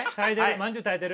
まんじゅう耐えてる。